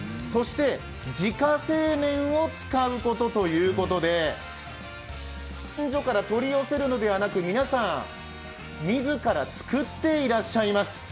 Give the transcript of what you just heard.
そして、自家製麺を使うことということで取り寄せるのではなく皆さん、自ら作っていらっしゃいます。